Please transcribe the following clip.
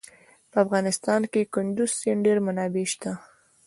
په افغانستان کې د کندز سیند ډېرې منابع شته.